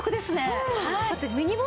うん。